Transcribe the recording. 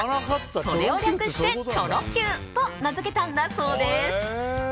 それを略してチョロＱと名付けたんだそうです。